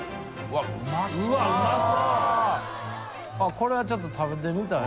これはちょっと食べてみたい。